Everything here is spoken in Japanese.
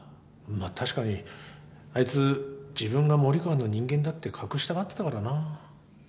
まあ確かにあいつ自分が森川の人間だって隠したがってたからな。